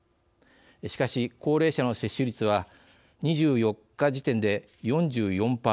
しかし高齢者の接種率は２４日時点で４４％。